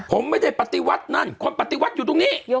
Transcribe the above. ผมไม่ได้ปฏิวัตินั่นคนปฏิวัติอยู่ตรงนี้